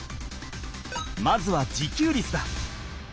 まずは自給率だ。